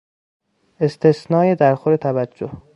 استثنای درخور توجه